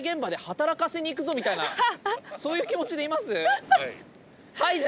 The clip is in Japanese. そういう気持ちでいます？